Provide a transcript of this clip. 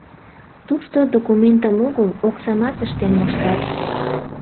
Тушто документым огыл, оксамат ыштен моштат.